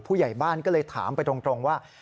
ผู้ใหญ่บ้านก็เลยถามไปตรงว่า